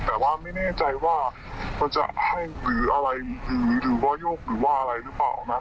แต่ว่าไม่แน่ใจว่าเขาจะให้หรืออะไรผีหรือว่าโยกหรือว่าอะไรหรือเปล่านะ